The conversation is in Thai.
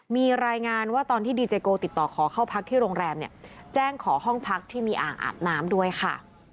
มีรายงานว่าตอนที่ดีเจโกติดต่อขอเข้าพักที่โรงแรมเนี่ยแจ้งขอห้องพักที่มีอ่างอาบน้ำด้วยค่ะ